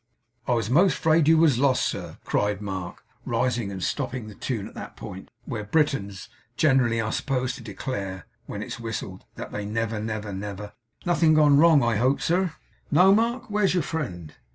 'I was a'most afraid you was lost, sir!' cried Mark, rising, and stopping the tune at that point where Britons generally are supposed to declare (when it is whistled) that they never, never, never 'Nothing gone wrong, I hope, sir?' 'No, Mark. Where's your friend?